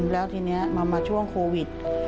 แล้วทีนี้มาช่วงโควิด